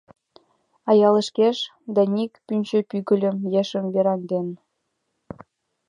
А яшлыкеш Даник пӱнчӧ пӱгыльмӧ ешым вераҥден.